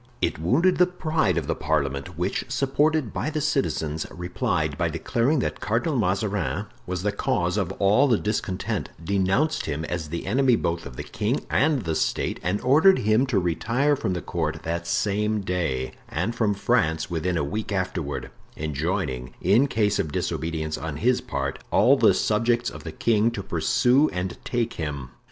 It wounded the pride of the parliament, which, supported by the citizens, replied by declaring that Cardinal Mazarin was the cause of all the discontent; denounced him as the enemy both of the king and the state, and ordered him to retire from the court that same day and from France within a week afterward; enjoining, in case of disobedience on his part, all the subjects of the king to pursue and take him.